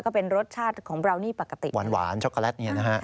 ก็เป็นรสชาติของบราวนี่ปกติหวานช็อกโกแลต